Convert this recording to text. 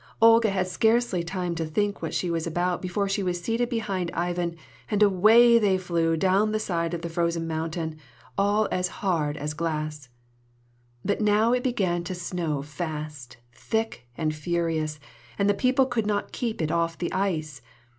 Olga had scarcely time to think what she was about before she was seated behind Ivan, and away they flew down the side of the frozen mountain, all as hard as glass. But now it began to snow fast, thick, and furious, and the people could not keep it off the ice.